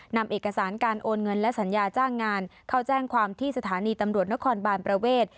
นำเอกสารการโอนเงินและสัญญาจ้างงานเข้าแจ้งความที่สถานีตำรวจนครบานประเวท